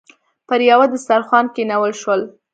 پر یوه دسترخوان کېنول شول.